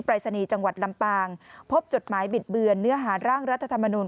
รายศนีย์จังหวัดลำปางพบจดหมายบิดเบือนเนื้อหาร่างรัฐธรรมนูล